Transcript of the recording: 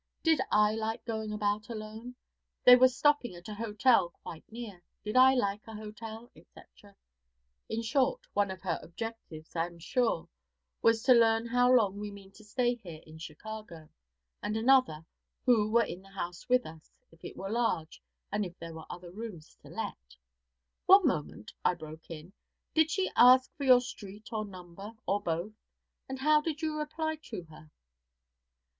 Did I like going about alone? They were stopping at a hotel quite near. Did I like a hotel? etc. In short, one of her objects, I am sure, was to learn how long we mean to stay here in Chicago; and another, who were in the house with us, if it were large, and if there were other rooms to let ' 'One moment,' I broke in. 'Did she ask for your street or number, or both? and how did you reply to her?'